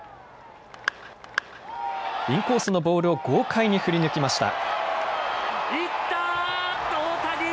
インコースのボールを豪快に振り抜きました。